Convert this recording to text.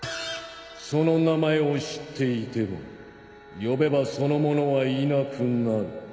・その名前を知っていても呼べばその者はいなくなる。